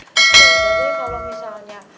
jadi kalau misalnya